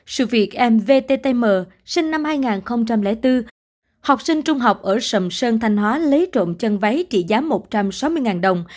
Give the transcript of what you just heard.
sự việc mvtm sinh năm hai nghìn bốn học sinh trung học ở sầm sơn thanh hóa lấy trộm chân váy trị giá một trăm sáu mươi đồng